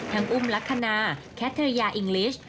ทั้งอุ่มลักษณะแคทเทอร์ยาอิงกลิช